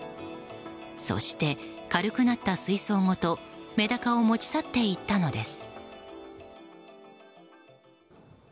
そして軽くなった水槽ごとメダカを持ち去っていったのです。